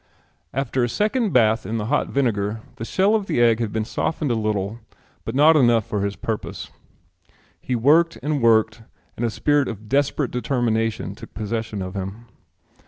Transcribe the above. After a second bath in the hot vinegar the shell of the egg had been softened a little but not enough for his purpose. He worked and worked and a spirit of desperate determination took possession of him.